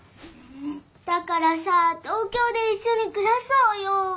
だからさ東京でいっしょにくらそうよ。